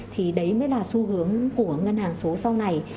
thì đấy mới là xu hướng của ngân hàng số sau này